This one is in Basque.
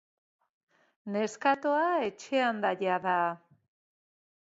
Neskatoa etxean da jada.